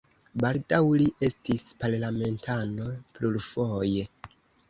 Baldaŭ li estis parlamentano plurfoje.